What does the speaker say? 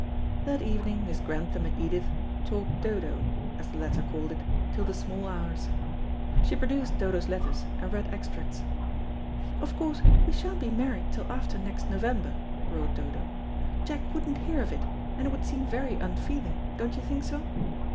That evening Miss Grantham and Edith "talked Dodo," as the latter called it, till the small hours. She produced Dodo's letter, and read extracts. "Of course, we sha'n't be married till after next November," wrote Dodo. "Jack wouldn't hear of it, and it would seem very unfeeling. Don't you think so?